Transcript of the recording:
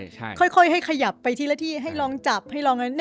คอมฟอร์ตโซนค่อยให้ขยับไปทีละทีให้ลองจับให้ลองอันนั้น